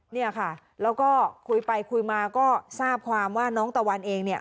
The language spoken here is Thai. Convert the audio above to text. เนี่ยค่ะแล้วก็คุยไปคุยมาก็ทราบความว่าน้องตะวันเองเนี่ย